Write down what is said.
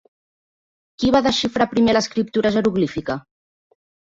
¿Qui va desxifrar primer l'escriptura jeroglífica?